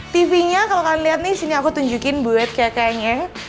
tv nya kalau kalian lihat nih sini aku tunjukin duit kayak kayaknya